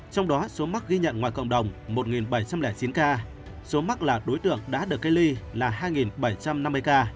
trong đó số mắc ghi nhận ngoài cộng đồng một bảy trăm linh chín ca số mắc là đối tượng đã được cách ly là hai bảy trăm năm mươi ca